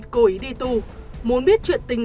cô ý đi tu muốn biết chuyện tình